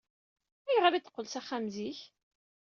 Ayɣer ay d-teqqel s axxam zik?